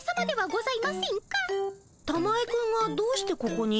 たまえくんがどうしてここに？